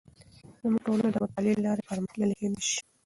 زموږ ټولنه د مطالعې له لارې پرمختللې کیدې شي.